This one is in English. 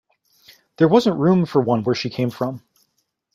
There wasn’t room for one where she came from.